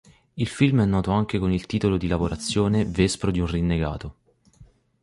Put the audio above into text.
Il film è noto anche con il titolo di lavorazione "Vespro d'un rinnegato".